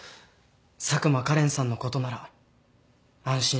佐久間花恋さんのことなら安心してください。